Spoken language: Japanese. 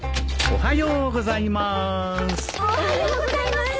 おはようございます。